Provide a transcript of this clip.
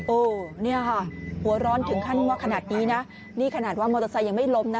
โอ้เนี่ยค่ะหัวร้อนถึงขั้นว่าขนาดนี้นะนี่ขนาดว่ามอเตอร์ไซค์ยังไม่ล้มนะ